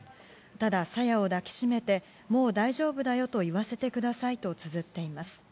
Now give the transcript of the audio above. ただ、朝芽を抱きしめて、もう大丈夫だよと言わせてくださいとつづっています。